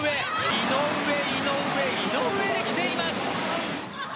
井上、井上、井上できています。